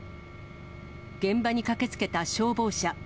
現場に駆けつけた消防車。